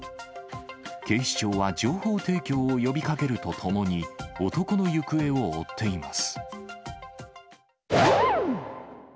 警視庁は情報提供を呼びかけるとともに、男の行方を追っています。